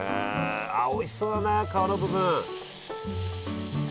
あおいしそうだな皮の部分！